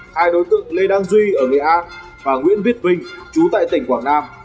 hai đối tượng lê đăng duy ở nghệ an và nguyễn viết vinh chú tại tỉnh quảng nam